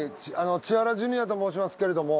千原ジュニアと申しますけれども。